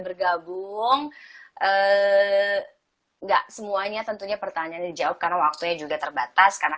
bergabung enggak semuanya tentunya pertanyaan dijawab karena waktunya juga terbatas karena